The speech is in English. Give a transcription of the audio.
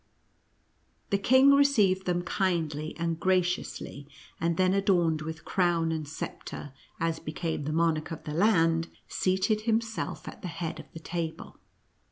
The king received them kindly and graciously, and then, adorned with crown and sceptre, as became the monarch of the land, seated himself at the head of the table.